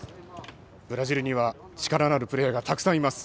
ブラジルには力のあるプレーヤーがたくさんいます。